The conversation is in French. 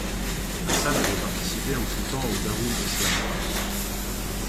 Hasan avait participé en son temps au Darul Islam.